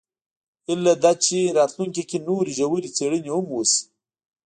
هیله ده چې په راتلونکي کې نورې ژورې څیړنې هم وشي